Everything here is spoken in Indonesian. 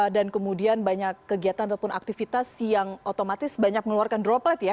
dan kemudian banyak kegiatan ataupun aktivitas yang otomatis banyak mengeluarkan droplet ya